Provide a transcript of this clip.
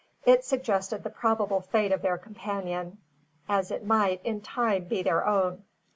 It suggested the probable fate of their companion, as it might, in time, be their own.